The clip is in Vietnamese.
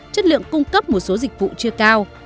chất lượng cung cấp một số dịch vụ chưa cao